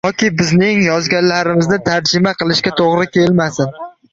Toki bizning yozganlarimizni «tarjima» qilishga to‘g‘ri kelmasin.